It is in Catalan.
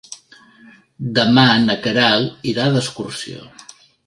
Demà na Queralt irà d'excursió.